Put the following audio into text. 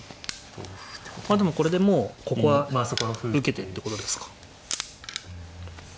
まあでもこれでもうここは受けてってことですか。